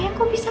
ya ampun sayang